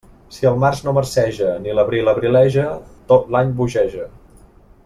Si el març no marceja, ni l'abril abrileja, tot l'any bogeja.